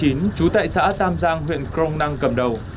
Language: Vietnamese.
phần chín chú tại xã tam giang huyện cờ rông năng cầm đầu